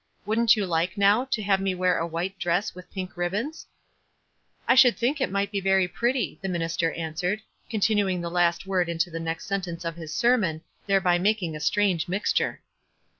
"Wouldn't you like, now, to have me wear a white dress with pink ribbons ?" "I should think it might be very pretty," the minister answered, continuing the last word into the next sentence of his sermon, thereby mak ing a strange mixture.